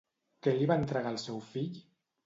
Què li va entregar al seu fill?